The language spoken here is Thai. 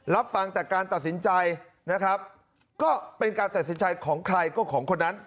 รับฟังแต่การตัดสินใจนะครับก็เป็นการตัดสินใจของใครก็ของคนนั้น